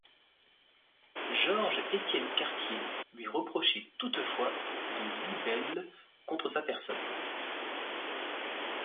George-Étienne Cartier lui reprochait toutefois de libelle contre sa personne.